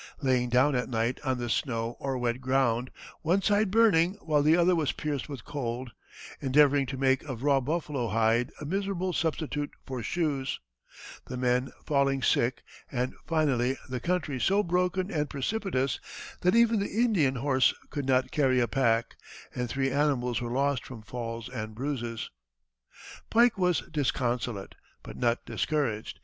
laying down at night on the snow or wet ground, one side burning, while the other was pierced with cold; endeavoring to make of raw buffalo hide a miserable substitute for shoes;" the men falling sick, and, finally, the country so broken and precipitous, that even the Indian horse could not carry a pack, and three animals were lost from falls and bruises. Pike was disconsolate, but not discouraged.